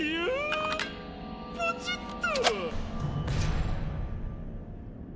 ポチッと！